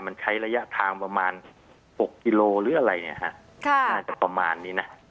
มันใช้ระยะทางประมาณ๖กิโลหรืออะไรเนี่ยฮะน่าจะประมาณนี้นะ